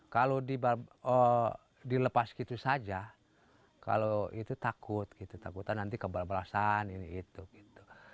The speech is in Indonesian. kalau dilepas gitu saja kalau itu takut gitu takutan nanti kebal balasan ini itu gitu